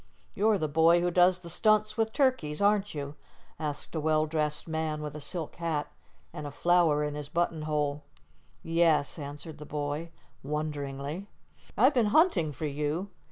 "You're the boy who does the stunts with turkeys, aren't you?" asked a well dressed man with a silk hat, and a flower in his buttonhole. "Yes," answered the boy, wonderingly. "I've been hunting for you.